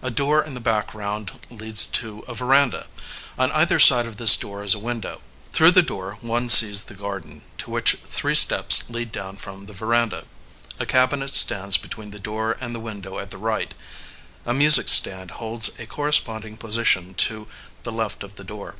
A door in the background leads to a veranda. On either side of this door is a window. Through the door one sees the garden, to which three steps lead down from the veranda. A cabinet stands between the door and the window at the right; a music stand holds a corresponding position to the left of the door.